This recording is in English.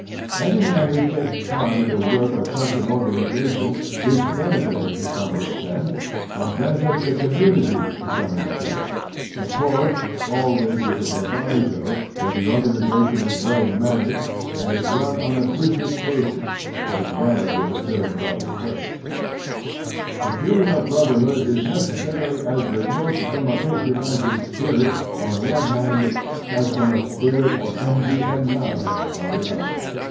Any man who takes part in the work of such an organization is bene fited to some extent and benefits the community Christian Citizenship 307 to some extent — of course, always with the proviso that the organization is well managed and is run on a business basis, as well as with a philanthropic purpose. The feeling of brotherhood is necessarily as remote from a patronizing spirit, on the one hand, as from a spirit of envy and malice, on the other.